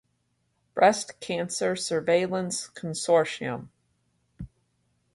Breast Cancer Surveillance Consortium.